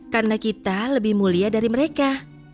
karena kita lebih mulia dari mereka